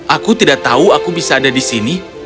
aku tidak tahu aku bisa ada di sini